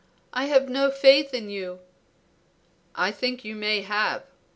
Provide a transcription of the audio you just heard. I have no faith in you." "I think you may have.